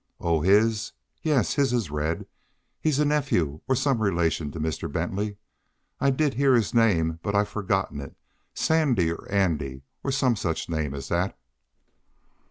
"Oh! his? Yes, his is red. He's a nephew, or some relation to Mr. Bentley. I did hear his name, but I've forgotten it. Sandy, or Andy, or some such name as that."